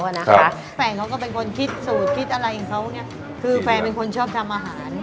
แฟนเขาก็เป็นคนคิดสูตรคิดอะไรของเขาเนี่ยคือแฟนเป็นคนชอบทำอาหาร